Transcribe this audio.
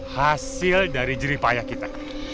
hasil dari jeri payah kita